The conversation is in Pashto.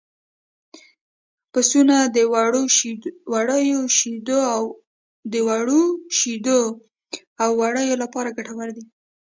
پسونه د وړو شیدو او وړیو لپاره ګټور دي.